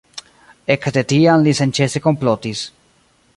Ekde tiam li senĉese komplotis.